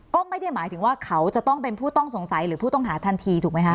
ก็ไม่ได้หมายถึงว่าเขาจะต้องเป็นผู้ต้องสงสัยหรือผู้ต้องหาทันทีถูกไหมคะ